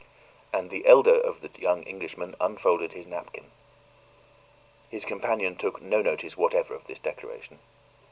And the elder of the young Englishmen unfolded his napkin. His companion took no notice whatever of this declaration.